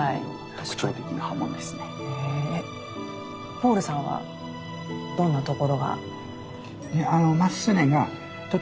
ポールさんはどんなところが？